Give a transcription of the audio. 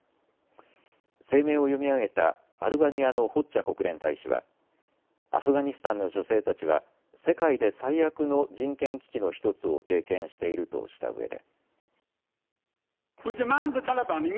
声明を読み上げたアルバニアのホッジャ国連大使はアフガニスタンの女性たちは世界で最悪の人権危機の１つを経験しているとしたうえで。